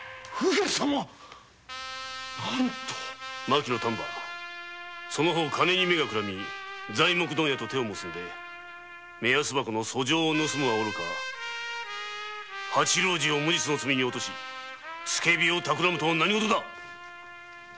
牧野丹波金に目がくらみ材木問屋と手を結んで目安箱の訴状を盗むはおろか蜂郎次を無実の罪に落とし付け火までたくらむとは何事だ！